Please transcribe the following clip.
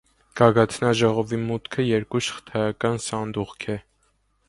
Գագաթնաժողովի մուտքը երկու շղթայական սանդուղք է։